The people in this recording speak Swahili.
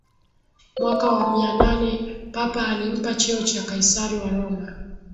Mwaka wa mia nane papa alimpa cheo cha Kaisari wa Roma